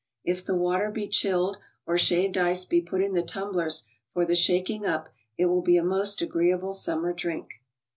If the water be chilled or shaved ice be put in the tumblers for the shaking up, it will be a most agreeable summer drink.